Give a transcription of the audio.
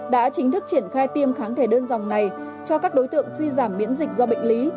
đã chính thức triển khai tiêm kháng thể đơn dòng này cho các đối tượng suy giảm biễn dịch do bệnh lý